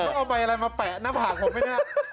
ผมเอาใบอะไรมาแปะหน้าผ่าผมไหมนะ